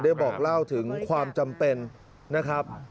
บอกเล่าถึงความจำเป็นนะครับ